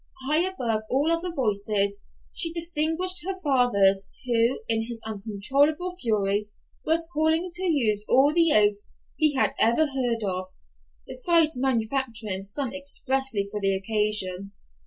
High above all other voices she distinguished her father's, who, in his uncontrollable fury, was calling to use all the oaths he had ever heard of, besides manufacturing some expressly for the occasion!